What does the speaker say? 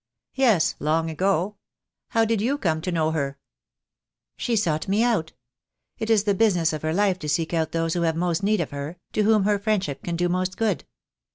"Yes, long ago. How did you come to know her?" "She sought me out. It is the business of her life to seek out those who have most need of her, to whom her friendship can do most good.